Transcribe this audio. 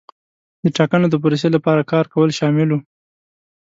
د ټاکنو د پروسې لپاره کار کول شامل وو.